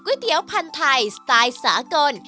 ก๋วยเตี๋ยวพันธัยสไตล์สากล